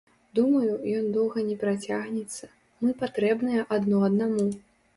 Думаю, ён доўга не працягнецца, мы патрэбныя адно аднаму.